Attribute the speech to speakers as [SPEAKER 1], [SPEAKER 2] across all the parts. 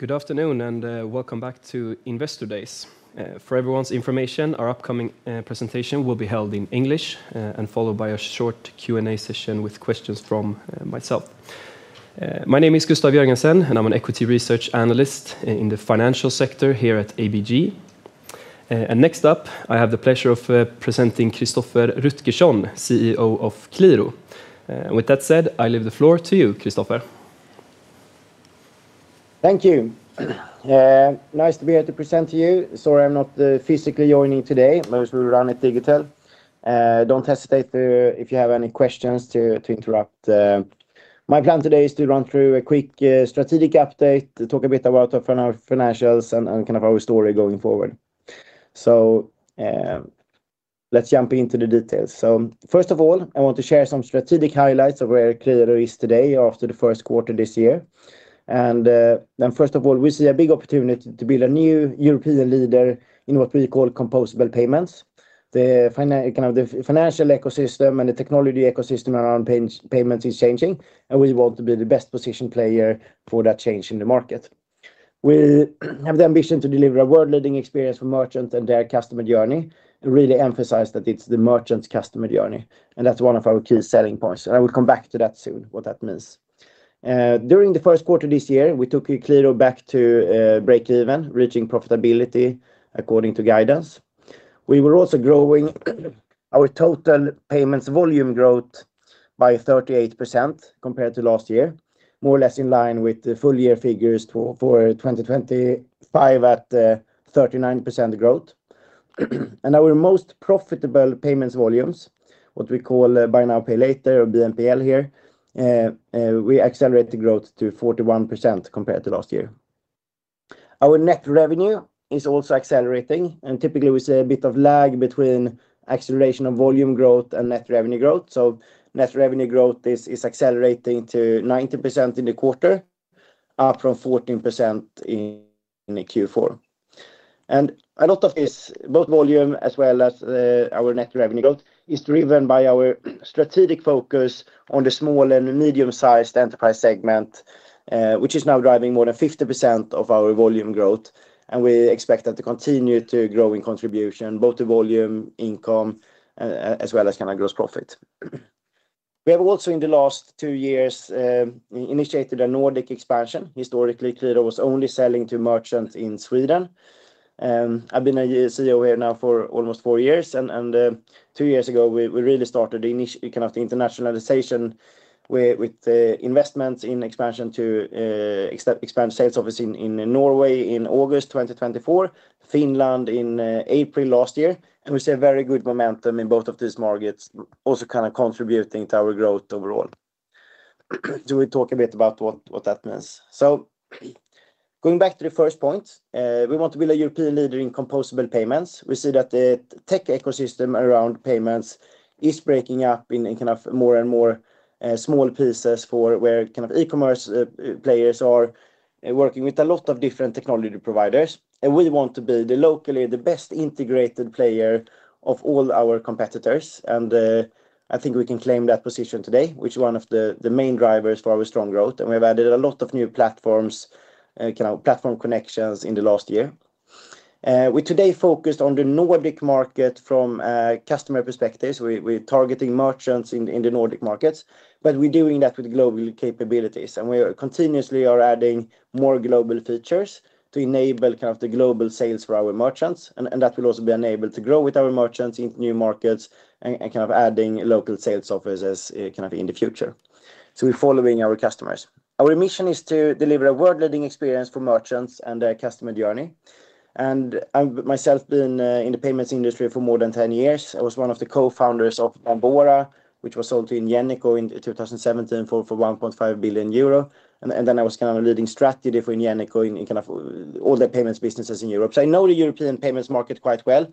[SPEAKER 1] Good afternoon and welcome back to Investor Days. For everyone's information, our upcoming presentation will be held in English and followed by a short Q&A session with questions from myself. My name is Gustaf Jörgensen, and I'm an equity research analyst in the financial sector here at ABG. Next up, I have the pleasure of presenting Christoffer Rutgersson, CEO of Qliro. With that said, I leave the floor to you, Christoffer.
[SPEAKER 2] Thank you. Nice to be here to present to you. Sorry, I'm not physically joining today, but we'll run it digital. Don't hesitate if you have any questions to interrupt. My plan today is to run through a quick strategic update, talk a bit about our financials and our story going forward. Let's jump into the details. First of all, I want to share some strategic highlights of where Qliro is today after the first quarter this year. First of all, we see a big opportunity to build a new European leader in what we call Composable Payments. The financial ecosystem and the technology ecosystem around payments is changing, and we want to be the best-positioned player for that change in the market. We have the ambition to deliver a world-leading experience for merchants and their customer journey, really emphasize that it's the merchant customer journey. That's one of our key selling points. I will come back to that soon, what that means. During the first quarter of this year, we took Qliro back to breakeven, reaching profitability according to guidance. We were also growing our total payments volume growth by 38% compared to last year, more or less in line with the full-year figures for 2025 at 39% growth. Our most profitable payments volumes, what we call "Buy Now, Pay Later" or BNPL here, we accelerated growth to 41% compared to last year. Our net revenue is also accelerating. Typically, we see a bit of lag between acceleration of volume growth and net revenue growth. Net revenue growth is accelerating to 19% in the quarter, up from 14% in Q4. A lot of this, both volume as well as our net revenue growth, is driven by our strategic focus on the small and medium-sized enterprise segment, which is now driving more than 50% of our volume growth, and we expect that to continue to grow in contribution, both to volume, income, as well as gross profit. We have also, in the last two years, initiated a Nordic expansion. Historically, Qliro was only selling to merchants in Sweden. I've been a CEO here now for almost four years, and two years ago, we really started the internationalization with the investments in expansion to expand sales office in Norway in August 2024, Finland in April last year, and we see a very good momentum in both of these markets, also contributing to our growth overall. We'll talk a bit about what that means. Going back to the first point, we want to be a European leader in Composable Payments. We see that the tech ecosystem around payments is breaking up in more and more small pieces for where e-commerce players are working with a lot of different technology providers, and we want to be locally the best integrated player of all our competitors. I think we can claim that position today, which is one of the main drivers for our strong growth. We've added a lot of new platform connections in the last year. We today focused on the Nordic market from a customer perspective. We're targeting merchants in the Nordic markets, but we're doing that with global capabilities, and we continuously are adding more global features to enable the global sales for our merchants. That will also be enabled to grow with our merchants in new markets and adding local sales offices in the future. We're following our customers. Our mission is to deliver a world-leading experience for merchants and their customer journey. I've myself been in the payments industry for more than 10 years. I was one of the co-founders of Bambora, which was sold to Ingenico in 2017 for 1.5 billion euro. I was leading strategy for Ingenico in all the payments businesses in Europe. I know the European payments market quite well,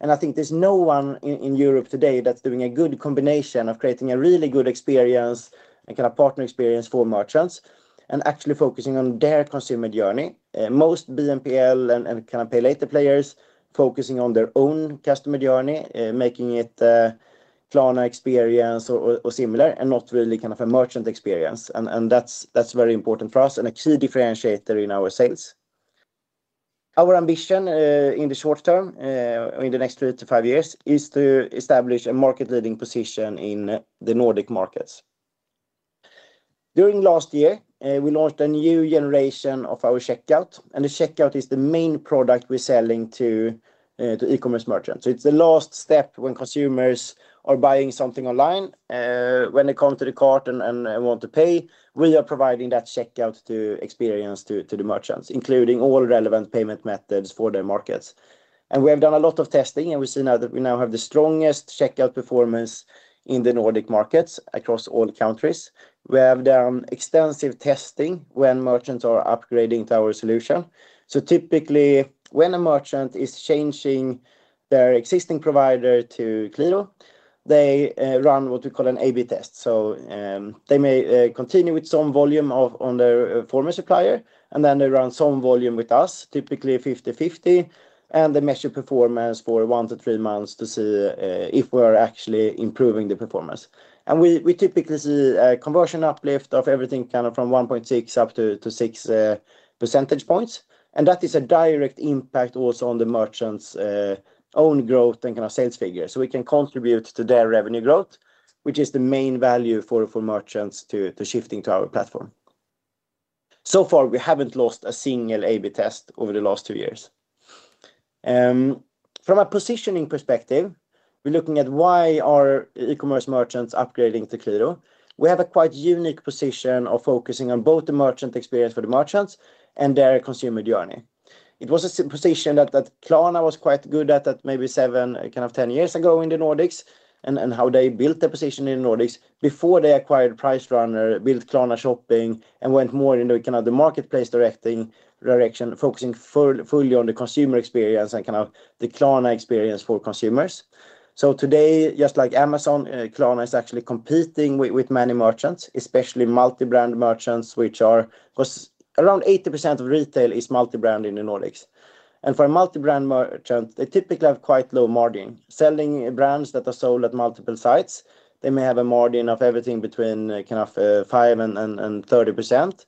[SPEAKER 2] and I think there's no one in Europe today that's doing a good combination of creating a really good experience and partner experience for merchants and actually focusing on their consumer journey. Most BNPL and Pay Later players focusing on their own customer journey, making it Klarna experience or similar, not really a merchant experience. That's very important for us and a key differentiator in our sales. Our ambition in the short term, in the next three to five years, is to establish a market-leading position in the Nordic markets. During last year, we launched a new generation of our checkout, the checkout is the main product we're selling to e-commerce merchants. It's the last step when consumers are buying something online. When they come to the cart and want to pay, we are providing that checkout experience to the merchants, including all relevant payment methods for their markets. We have done a lot of testing, and we see now that we now have the strongest checkout performance in the Nordic markets across all countries. We have done extensive testing when merchants are upgrading to our solution. Typically, when a merchant is changing their existing provider to Qliro, they run what we call an A/B test. They may continue with some volume on their former supplier, and then they run some volume with us, typically 50/50, and they measure performance for one to three months to see if we are actually improving the performance. We typically see a conversion uplift of everything from 1.6-6 percentage points. That is a direct impact also on the merchant's own growth and sales figures. We can contribute to their revenue growth, which is the main value for merchants to shifting to our platform. So far, we haven't lost a single A/B test over the last two years. From a positioning perspective, we're looking at why are e-commerce merchants upgrading to Qliro. We have a quite unique position of focusing on both the merchant experience for the merchants and their consumer journey. It was a position that Klarna was quite good at, maybe seven, kind of 10 years ago in the Nordics, and how they built their position in the Nordics before they acquired PriceRunner, built Klarna Shopping, and went more into the marketplace direction, focusing fully on the consumer experience and the Klarna experience for consumers. Today, just like Amazon, Klarna is actually competing with many merchants, especially multi-brand merchants. Because around 80% of retail is multi-brand in the Nordics. For a multi-brand merchant, they typically have quite low margin. Selling brands that are sold at multiple sites, they may have a margin of everything between kind of 5% and 30%.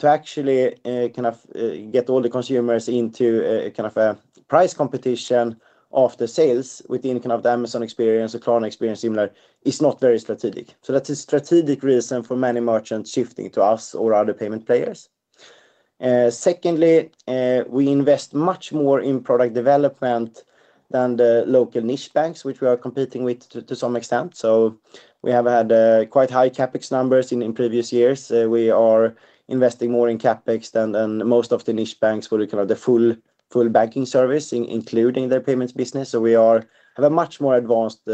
[SPEAKER 2] To actually get all the consumers into a price competition after sales within the Amazon experience or Klarna experience similar, is not very strategic. That is strategic reason for many merchants shifting to us or other payment players. Secondly, we invest much more in product development than the local niche banks, which we are competing with to some extent. We have had quite high CapEx numbers in previous years. We are investing more in CapEx than most of the niche banks for the full banking service, including their payments business. We have a much more advanced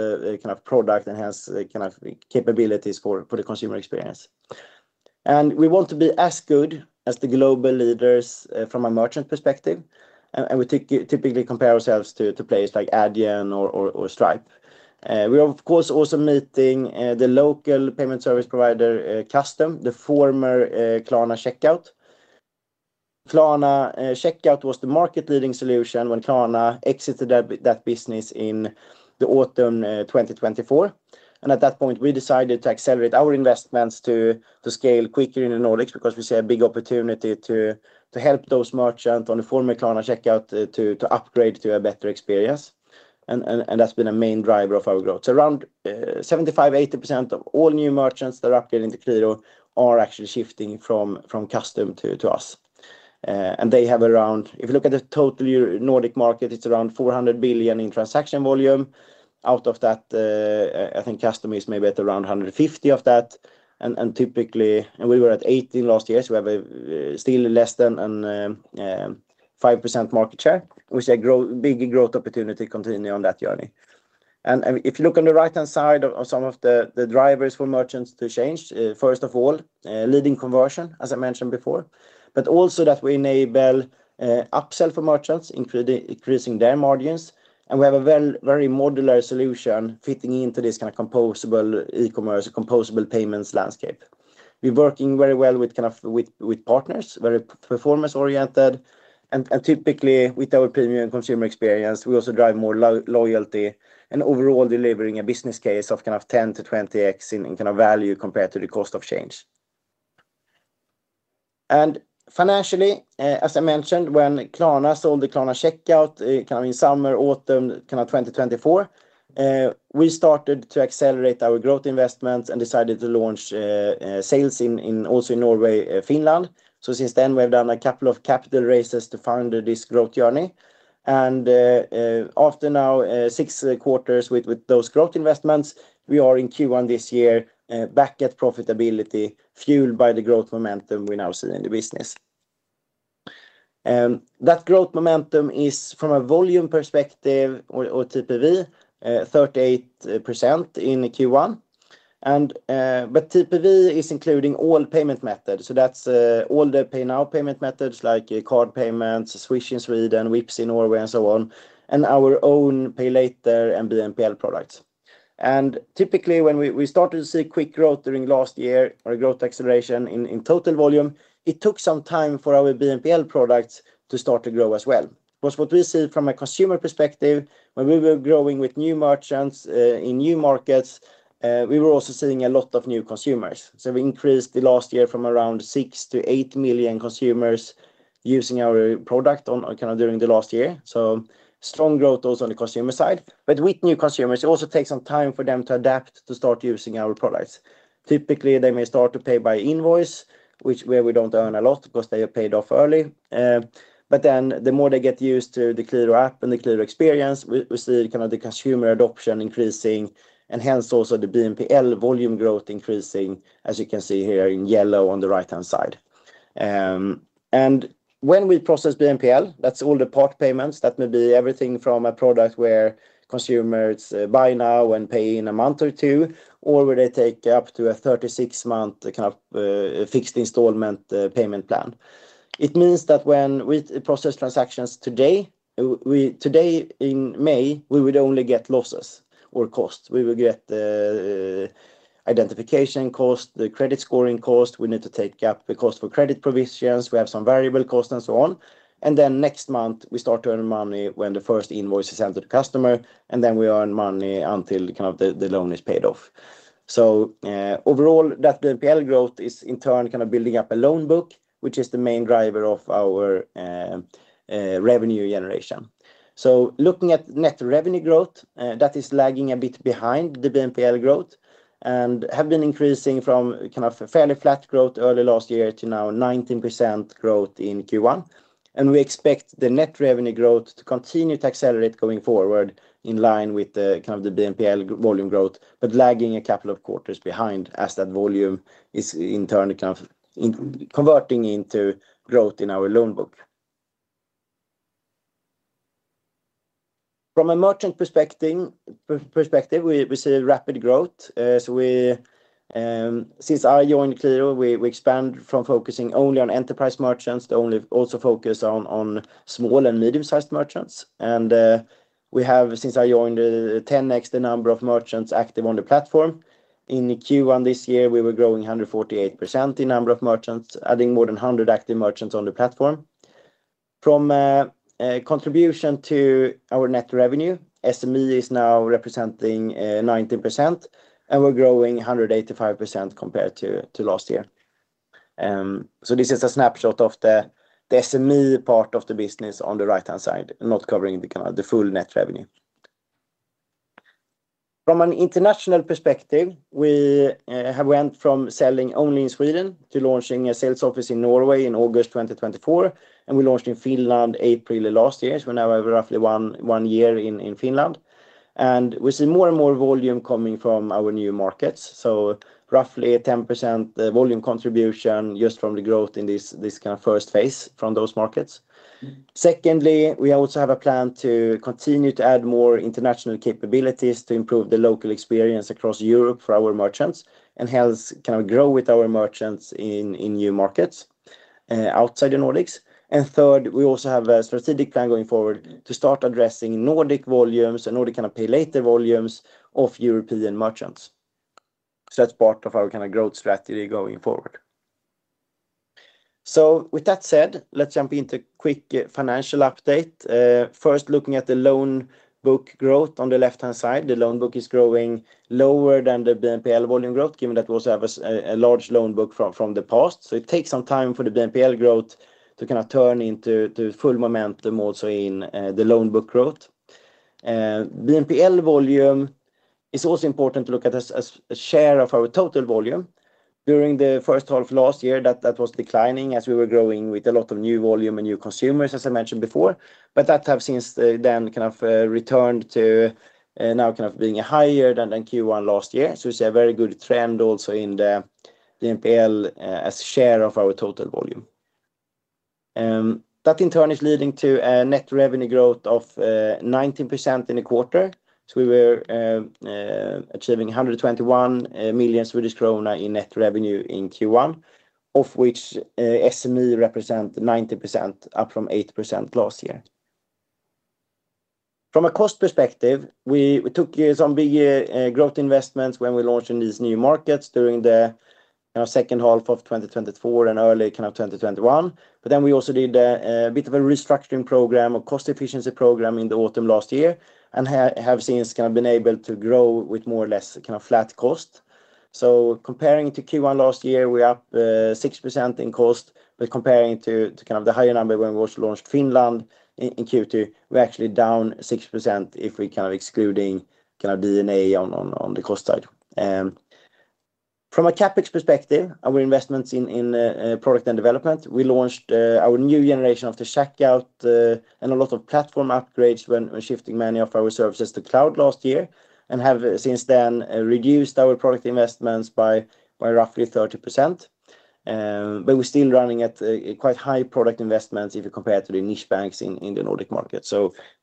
[SPEAKER 2] product, and has capabilities for the consumer experience. We want to be as good as the global leaders, from a merchant perspective, and we typically compare ourselves to players like Adyen or Stripe. We are, of course, also meeting the local payment service provider, Kustom, the former Klarna Checkout. Klarna Checkout was the market-leading solution when Klarna exited that business in the autumn 2024. At that point, we decided to accelerate our investments to scale quicker in the Nordics because we see a big opportunity to help those merchants on the former Klarna Checkout to upgrade to a better experience. That's been a main driver of our growth. Around 75%-80% of all new merchants that are upgrading to Qliro are actually shifting from Kustom to us. If you look at the total Nordic market, it's around 400 billion in transaction volume. Out of that, I think Kustom is maybe at around 150 billion of that. We were at 80 billion last year, so we have still less than a 5% market share. We see a big growth opportunity continuing on that journey. If you look on the right-hand side of some of the drivers for merchants to change, first of all, leading conversion, as I mentioned before, but also that we enable upsell for merchants, increasing their margins. We have a very modular solution fitting into this kind of composable e-commerce, Composable Payments landscape. We're working very well with partners, very performance oriented, and typically, with our premium consumer experience, we also drive more loyalty and overall delivering a business case of kind of 10x-20x in value compared to the cost of change. Financially, as I mentioned, when Klarna sold the Klarna Checkout in summer, autumn 2024, we started to accelerate our growth investments and decided to launch sales also in Norway, Finland. Since then, we have done a couple of capital raises to fund this growth journey. After now six quarters with those growth investments, we are in Q1 this year, back at profitability, fueled by the growth momentum we now see in the business. That growth momentum is, from a volume perspective or TPV, 38% in Q1. TPV is including all payment methods. That's all the pay now payment methods like card payments, Swish in Sweden, Vipps in Norway, and so on, and our own pay later and BNPL products. Typically, when we started to see quick growth during last year or growth acceleration in total volume, it took some time for our BNPL products to start to grow as well. What we see from a consumer perspective, when we were growing with new merchants in new markets, we were also seeing a lot of new consumers. We increased the last year from around 6 million-8 million consumers using our product during the last year. Strong growth also on the consumer side. With new consumers, it also takes some time for them to adapt to start using our products. Typically, they may start to pay by invoice, which where we don't earn a lot because they are paid off early. The more they get used to the Qliro app and the Qliro experience, we see the consumer adoption increasing, and hence also the BNPL volume growth increasing, as you can see here in yellow on the right-hand side. When we process BNPL, that's all the part payments. That may be everything from a product where consumers buy now and pay in a month or two, or where they take up to a 36-month kind of fixed installment payment plan. It means that when we process transactions today, in May, we would only get losses or costs. We will get identification cost, the credit scoring cost, we need to take up the cost for credit provisions. We have some variable cost and so on. Next month we start to earn money when the first invoice is sent to the customer, and then we earn money until the loan is paid off. Overall, that BNPL growth is in turn building up a loan book, which is the main driver of our revenue generation. Looking at net revenue growth, that is lagging a bit behind the BNPL growth and have been increasing from fairly flat growth early last year to now 19% growth in Q1. We expect the net revenue growth to continue to accelerate going forward in line with the BNPL volume growth. Lagging a couple of quarters behind as that volume is in turn converting into growth in our loan book. From a merchant perspective, we see rapid growth. Since I joined Qliro, we expand from focusing only on enterprise merchants to also focus on small and medium-sized merchants. We have, since I joined, 10x the number of merchants active on the platform. In Q1 this year, we were growing 148% in number of merchants, adding more than 100 active merchants on the platform. From contribution to our net revenue, SME is now representing, 19% and we're growing 185% compared to last year. This is a snapshot of the SME part of the business on the right-hand side, not covering the full net revenue. From an international perspective, we have went from selling only in Sweden to launching a sales office in Norway in August 2024, and we launched in Finland April of last year. Now we have roughly one year in Finland. We see more and more volume coming from our new markets. Roughly 10% volume contribution just from the growth in this first phase from those markets. Secondly, we also have a plan to continue to add more international capabilities to improve the local experience across Europe for our merchants and hence, grow with our merchants in new markets, outside the Nordics. Third, we also have a strategic plan going forward to start addressing Nordic volumes and Nordic kind of pay later volumes of European merchants. That's part of our kind of growth strategy going forward. With that said, let's jump into quick financial update. First looking at the loan book growth on the left-hand side, the loan book is growing lower than the BNPL volume growth, given that we also have a large loan book from the past. It takes some time for the BNPL growth to kind of turn into full momentum also in the loan book growth. BNPL volume is also important to look at as a share of our total volume. During the first half of last year, that was declining as we were growing with a lot of new volume and new consumers, as I mentioned before. That have since then returned to now being higher than Q1 last year. We see a very good trend also in the NPL as share of our total volume. That in turn is leading to a net revenue growth of 19% in a quarter. We were achieving 121 million Swedish krona in net revenue in Q1, of which SME represent 90%, up from 8% last year. From a cost perspective, we took some big growth investments when we launched in these new markets during the second half of 2024 and early 2021. We also did a bit of a restructuring program, a cost efficiency program in the autumn last year, and have since been able to grow with more or less flat cost. Comparing to Q1 last year, we're up 6% in cost. Comparing to the higher number when we also launched Finland in Q2, we're actually down 6% if we're excluding D&A on the cost side. From a CapEx perspective, our investments in product and development, we launched our new generation of the checkout, and a lot of platform upgrades when we're shifting many of our services to cloud last year and have since then reduced our product investments by roughly 30%. We're still running at quite high product investments if you compare to the niche banks in the Nordic market.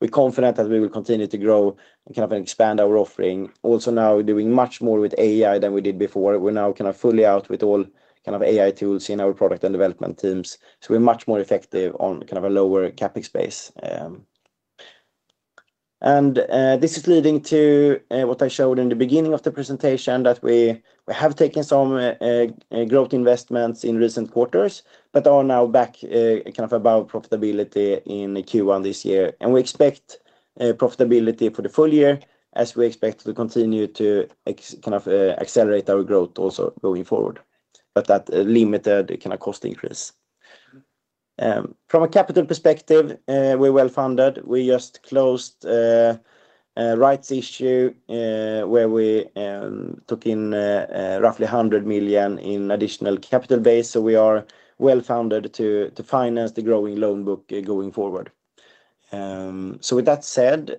[SPEAKER 2] We're confident that we will continue to grow and expand our offering. Also now we're doing much more with AI than we did before. We're now kind of fully out with all kind of AI tools in our product and development teams. We're much more effective on kind of a lower CapEx base. This is leading to what I showed in the beginning of the presentation, that we have taken some growth investments in recent quarters but are now back above profitability in Q1 this year. We expect profitability for the full year as we expect to continue to accelerate our growth also going forward. That limited cost increase. From a capital perspective, we're well-funded. We just closed a rights issue, where we took in roughly 100 million in additional capital base. We are well-funded to finance the growing loan book going forward. With that said,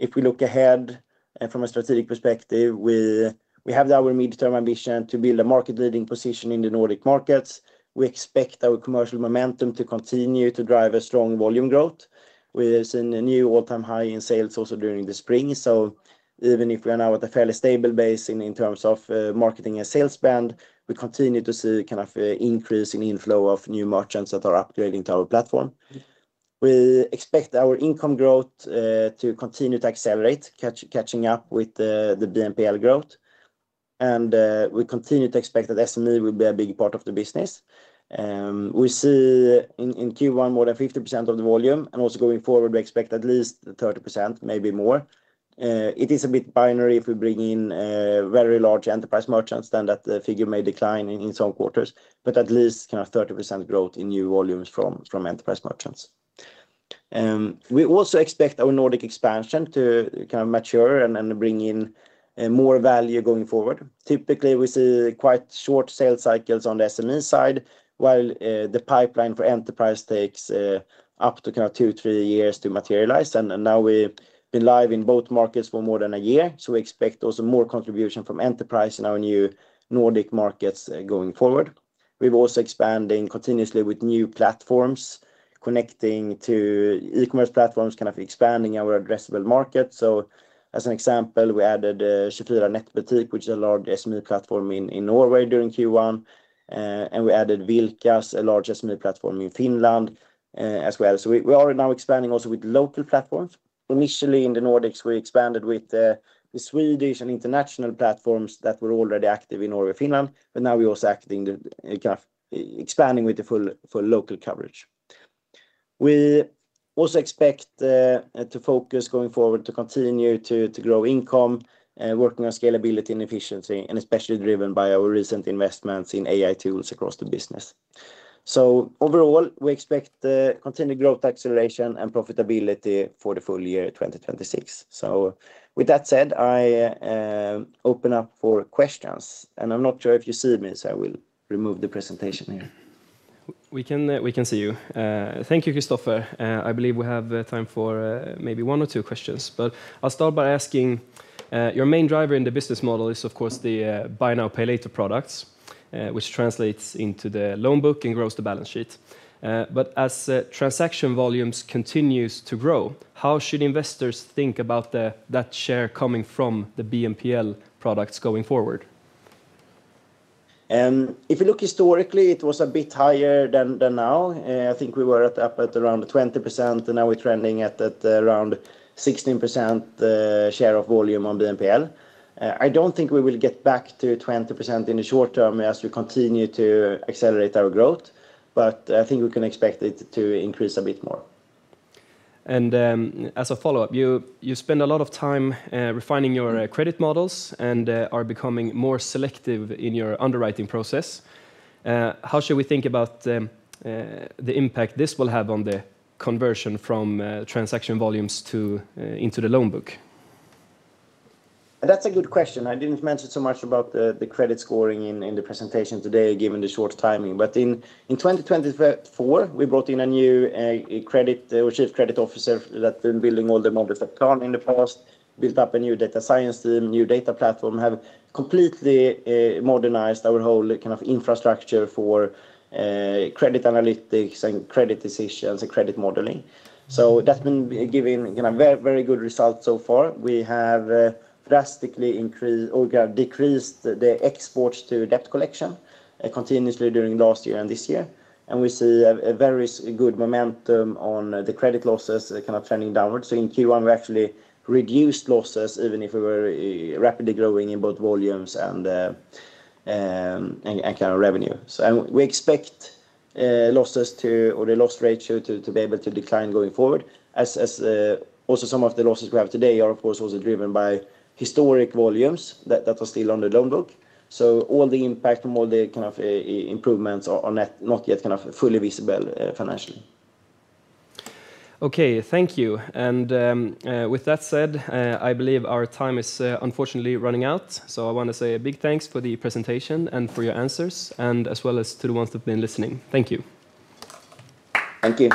[SPEAKER 2] if we look ahead and from a strategic perspective, we have our midterm ambition to build a market leading position in the Nordic markets. We expect our commercial momentum to continue to drive a strong volume growth. We're seeing a new all-time high in sales also during the spring. Even if we are now at a fairly stable base in terms of marketing and sales spend, we continue to see increase in inflow of new merchants that are upgrading to our platform. We expect our income growth to continue to accelerate, catching up with the BNPL growth. We continue to expect that SME will be a big part of the business. We see in Q1 more than 50% of the volume, and also going forward, we expect at least 30%, maybe more. It is a bit binary if we bring in very large enterprise merchants, then that figure may decline in some quarters, but at least 30% growth in new volumes from enterprise merchants. We also expect our Nordic expansion to mature and bring in more value going forward. Typically, we see quite short sales cycles on the SME side, while the pipeline for enterprise takes up to two, three years to materialize. Now we've been live in both markets for more than a year. We expect also more contribution from enterprise in our new Nordic markets going forward. We're also expanding continuously with new platforms, connecting to e-commerce platforms, expanding our addressable market. As an example, we added 24Nettbutikk, which is a large SME platform in Norway during Q1. We added Vilkas, a large SME platform in Finland as well. We are now expanding also with local platforms. Initially in the Nordics, we expanded with the Swedish and international platforms that were already active in Norway, Finland. Now we're also expanding with the full local coverage. We also expect to focus going forward to continue to grow income, working on scalability and efficiency, and especially driven by our recent investments in AI tools across the business. Overall, we expect continued growth acceleration and profitability for the full year 2026. With that said, I open up for questions. I'm not sure if you see me, I will remove the presentation here.
[SPEAKER 1] We can see you. Thank you, Christoffer. I believe we have time for maybe one or two questions. I'll start by asking, your main driver in the business model is of course, the Buy Now, Pay Later products, which translates into the loan book and grows the balance sheet. As transaction volumes continues to grow, how should investors think about that share coming from the BNPL products going forward?
[SPEAKER 2] If you look historically, it was a bit higher than now. I think we were up at around 20%, now we're trending at around 16% share of volume on BNPL. I don't think we will get back to 20% in the short term as we continue to accelerate our growth, I think we can expect it to increase a bit more.
[SPEAKER 1] As a follow-up, you spend a lot of time refining your credit models and are becoming more selective in your underwriting process. How should we think about the impact this will have on the conversion from transaction volumes into the loan book?
[SPEAKER 2] That's a good question. I didn't mention so much about the credit scoring in the presentation today, given the short timing. In 2024, we brought in a new chief credit officer that's been building all the models at Klarna in the past, built up a new data science team, new data platform, have completely modernized our whole infrastructure for credit analytics and credit decisions and credit modeling. That's been giving very good results so far. We have drastically decreased the exports to debt collection continuously during last year and this year. We see a very good momentum on the credit losses kind of trending downwards. In Q1, we actually reduced losses, even if we were rapidly growing in both volumes and revenue. We expect the loss ratio to be able to decline going forward as also some of the losses we have today are, of course, also driven by historic volumes that are still on the loan book. All the impact from all the kind of improvements are not yet fully visible financially.
[SPEAKER 1] Okay. Thank you. With that said, I believe our time is unfortunately running out. I want to say a big thanks for the presentation and for your answers, and as well as to the ones that have been listening. Thank you.
[SPEAKER 2] Thank you.